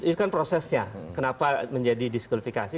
itu kan prosesnya kenapa menjadi diskulifikasi